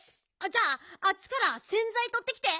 じゃああっちからせんざいとってきて。